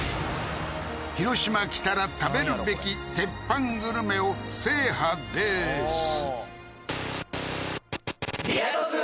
広島来たら食べるべき鉄板グルメを制覇でーすリア突